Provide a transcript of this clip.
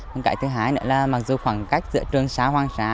còn cái thứ hai nữa là mặc dù khoảng cách giữa trường xa hoàng xa